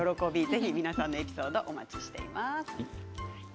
ぜひ皆さんのエピソードお待ちしています。